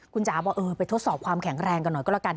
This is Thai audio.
คุณจ๋าบอกเออไปทดสอบความแข็งแรงกันหน่อยก็แล้วกัน